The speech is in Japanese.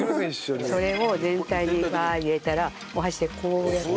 それを全体にバーッ入れたらお箸でこうやって。